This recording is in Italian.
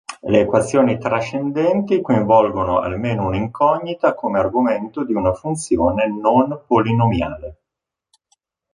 Le equazioni trascendenti coinvolgono almeno un'incognita come argomento di una funzione non polinomiale.